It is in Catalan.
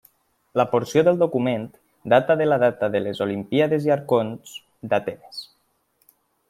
La porció del document data de la data de les Olimpíades i arconts d'Atenes.